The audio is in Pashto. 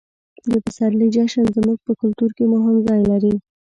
د پسرلي جشن زموږ په کلتور کې مهم ځای لري.